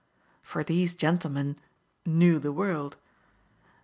For these gentlemen "knew the world.